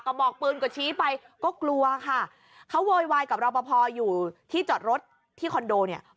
ก็เห็นยืนอยู่คนเดียวแล้วก็มีหมาอีกหนึ่งตัว